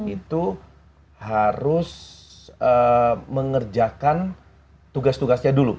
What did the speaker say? itu harus mengerjakan tugas tugasnya dulu